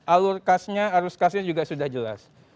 alur kasnya arus kasnya juga sudah jelas